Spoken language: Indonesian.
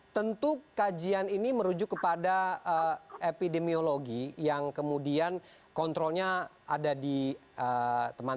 tentu kajian ini merujuk kepada epidemiologi yang kemudian kontrolnya ada di teman teman